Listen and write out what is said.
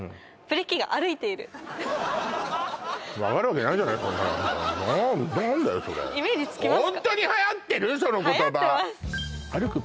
分かるわけないじゃないそんなの何だよそれイメージつきますか？